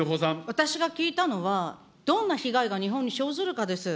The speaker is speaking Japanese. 私が聞いたのは、どんな被害が日本に生ずるかです。